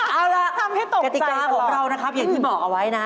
เอาล่ะกติกาของเรานะครับอย่างที่บอกเอาไว้นะครับทำให้ตกใจสลอง